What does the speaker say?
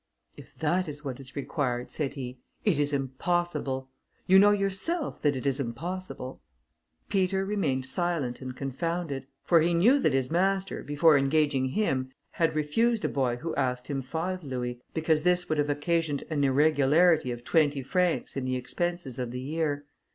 "If that is what is required," said he, "it is impossible. You know yourself, that it is impossible." Peter remained silent and confounded, for he knew that his master, before engaging him, had refused a boy who asked him five louis, because this would have occasioned an irregularity of twenty francs in the expenses of the year.